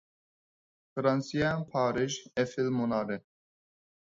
فىرانسىيە پارىژ ئېففېل مۇنارى